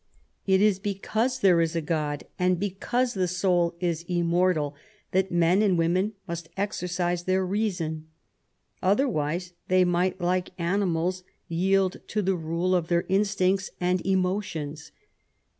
It is because there is a God, and because the soul is immortal, that men and women must exercise their reason. Other wise, they might, like animals, yield to the rule of their instincts and emotions.